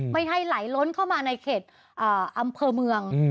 ไม่ให้ไหลล้นเข้ามาในเขตอำเภอเมือง